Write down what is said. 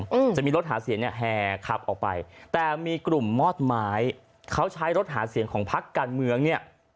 อืมจะมีรถหาเสียงเนี้ยแห่ขับออกไปแต่มีกลุ่มมอดไม้เขาใช้รถหาเสียงของพักการเมืองเนี้ย